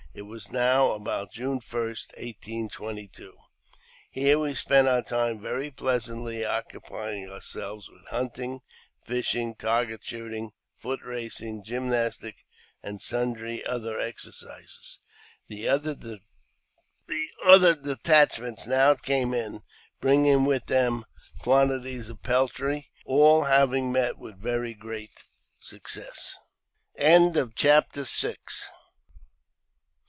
It was now about June 1st, 1822. Here we spent our time very pleasantly, occupying ourselves with hunting, fishing, target shooting, foot racing, gymnastic, and sundry other exercises. The other detachments now came in, bringing with them quantities of peltry, all having met with very great success. CHAPTEK VII.